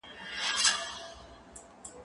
زه موبایل کارولی دی،